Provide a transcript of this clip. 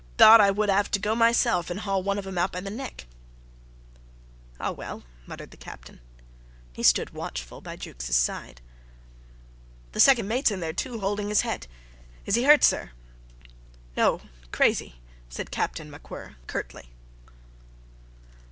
Thought I would have had to go myself and haul out one of them by the neck." "Ah, well," muttered the Captain. He stood watchful by Jukes' side. "The second mate's in there, too, holding his head. Is he hurt, sir?" "No crazy," said Captain MacWhirr, curtly.